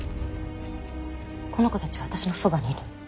この子たちは私のそばにいるの。